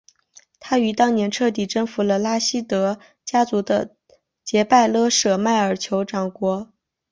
他于当年彻底征服了拉希德家族的杰拜勒舍迈尔酋长国。